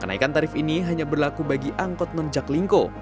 kenaikan tarif ini hanya berlaku bagi angkot nonjaklingko